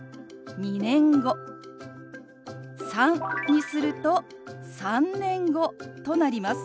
「３」にすると「３年後」となります。